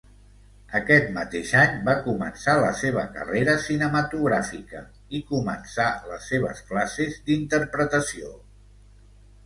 Aquest mateix any va començar la seva carrera cinematogràfica i començà les seves classes d'interpretació.